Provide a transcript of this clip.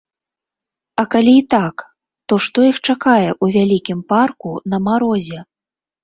А калі і так, то што іх чакае ў вялікім парку на марозе?